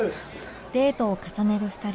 デートを重ねる２人